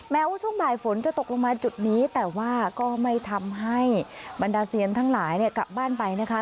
แม้ว่าช่วงบ่ายฝนจะตกลงมาจุดนี้แต่ว่าก็ไม่ทำให้บรรดาเซียนทั้งหลายกลับบ้านไปนะคะ